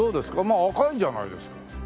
まあ赤いんじゃないですか。